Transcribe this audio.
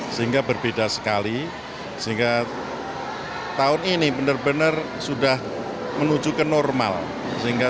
sehingga berbeda sekali sehingga tahun ini benar benar sudah menuju ke normal sehingga